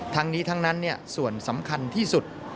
ทั้งนี้ทั้งนั้นส่วนสำคัญที่สุด